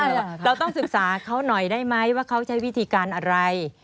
เราต้องศึกษาเขาหน่อยได้ไหมว่าเขาใช้วิธีการอะไร